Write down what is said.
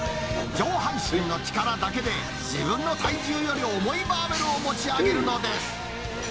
上半身の力だけで、自分の体重より重いバーベルを持ち挙げるのです。